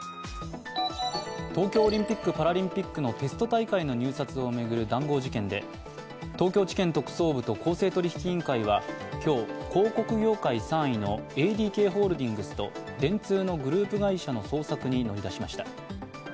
東京オリンピック・パラリンピックのテスト大会の入札を巡る談合事件で、東京地検特捜部と公正取引委員会は今日、広告業界３位のＡＤＫホールディングスと電通のグループ会社の捜索に乗り出しました。